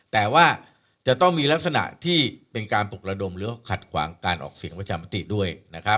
แต่ว่าจะต้องมีลักษณะที่เป็นการปลุกระดมหรือว่าขัดขวางการออกเสียงประชามติด้วย